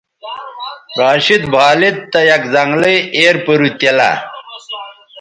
راشد بھالید تہ یک زنگلئ ایر پَرُو تیلہ